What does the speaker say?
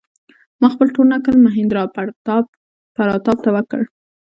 ما خپل ټول نکل مهیندراپراتاپ ته وکړ.